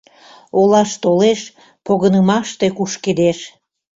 Олаш толеш, погынымаште «кушкедеш»: